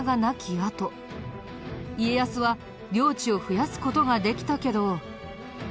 あと家康は領地を増やす事ができたけど。